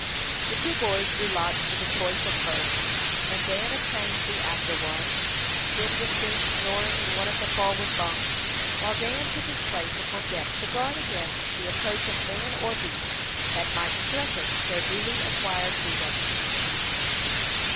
The two boys drew lots for the choice of berths, and Dan obtained the after one. Cyd was soon snoring in one of the forward bunks, while Dan took his place upon deck to guard against the approach of man or beast that might threaten their newly acquired freedom.